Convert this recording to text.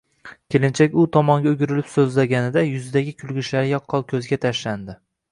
Kelinchak u tomonga o`girilib so`zlaganida yuzidagi kulgichlari yaqqol ko`zga tashlandi